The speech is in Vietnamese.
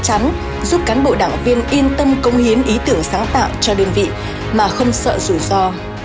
chắc chắn giúp cán bộ đảng viên yên tâm công hiến ý tưởng sáng tạo cho đơn vị mà không sợ rủi ro